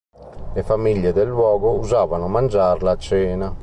Le famiglie del luogo usavano mangiarla a cena.